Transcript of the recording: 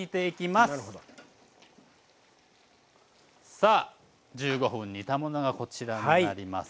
さあ１５分煮たものがこちらになります。